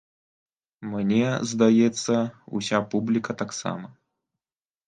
Мне, здаецца, уся публіка таксама.